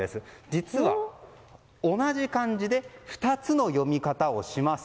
実は、同じ漢字で２つの読み方をします。